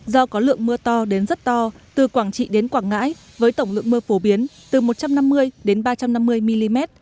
do có lượng mưa to đến rất to từ quảng trị đến quảng ngãi với tổng lượng mưa phổ biến từ một trăm năm mươi đến ba trăm năm mươi mm